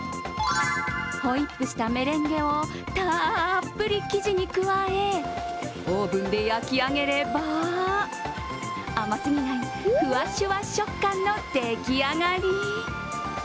ホイップしたメレンゲをたっぷり生地に加え、オーブンで焼き上げれば、甘すぎないふわしゅわ食感の出来上がり。